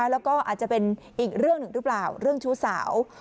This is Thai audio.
แล้วก็อาจจะเป็นอีกเรื่องหนึ่งหรือเปล่าเรื่องชู้สาว